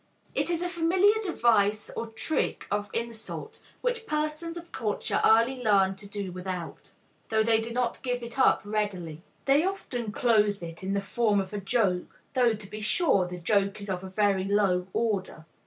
It is a familiar device or trick of insult, which persons of culture early learned to do without, though they do not give it up readily. They often clothe it in the form of a joke, though, to be sure, the joke is of a very low order.